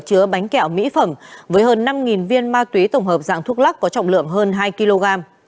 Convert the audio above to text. chứa bánh kẹo mỹ phẩm với hơn năm viên ma túy tổng hợp dạng thuốc lắc có trọng lượng hơn hai kg